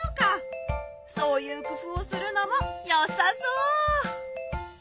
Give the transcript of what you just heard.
そういう工夫をするのもよさそう！